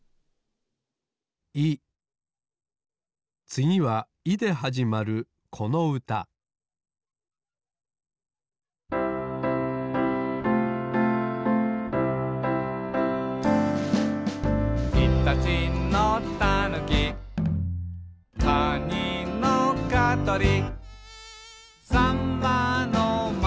つぎは「い」ではじまるこのうた「いたちのたぬき」「いち」「かにのかとり」